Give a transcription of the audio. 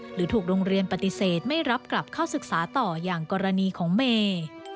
หรือถูกโรงเรียนปฏิเสธไม่รับกลับเข้าศึกษาต่ออย่างกรณีของเมย์